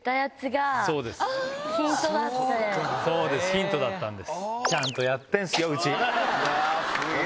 ヒントだったんです。